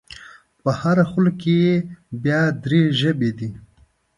په هره خوله کې یې بیا درې ژبې دي.